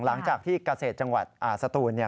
หลังจากที่กาเสธจังหวัดสตูนเนี่ย